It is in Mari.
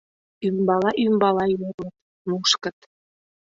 Ӱмбала-ӱмбала йӧрлыт, нушкыт.